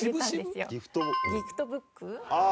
ギフトブック。